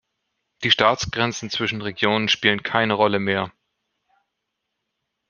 Die Staatsgrenzen zwischen Regionen spielen keine Rolle mehr.